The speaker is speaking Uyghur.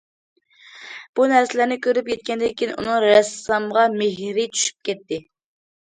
بۇ نەرسىلەرنى كۆرۈپ يەتكەندىن كېيىن، ئۇنىڭ رەسسامغا مېھرى چۈشۈپ كەتتى.